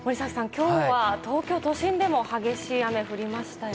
今日は東京都心でも激しい雨が降りましたよね。